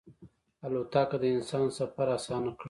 الوتکه د انسان سفر اسانه کړی.